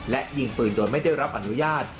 และยิงปืนโดยไม่ได้รับอนุญาต